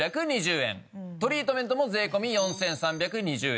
トリートメントも税込４３２０円。